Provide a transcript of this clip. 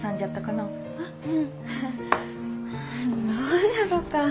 どうじゃろか。